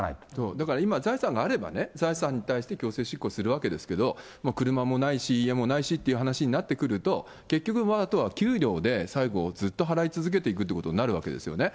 だから今、財産があればね、財産に対して強制執行するわけですけど、車もないし、家もないしっていう話になってくると、結局、あとは給料で、最後、ずっと払い続けていくということになるわけですね。